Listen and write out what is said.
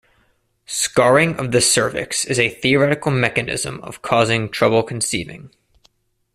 Scarring of the cervix is a theoretical mechanism of causing trouble conceiving.